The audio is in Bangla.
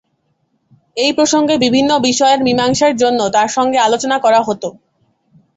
এই প্রসঙ্গে বিভিন্ন বিষয়ের মীমাংসার জন্য তাঁর সঙ্গে আলোচনা করা হত।